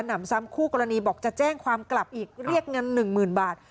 นำซ้ำคู่กรณีบอกจะแจ้งความกลับอีกเรียกเงิน๑๐๐๐บาท